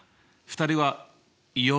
２人はよ